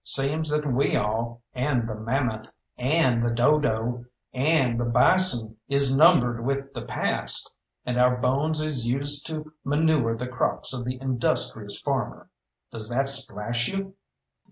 Seems that we all, and the mammoth, and the dodo, and the bison is numbered with the past, and our bones is used to manure the crops of the industrious farmer. Does that splash you?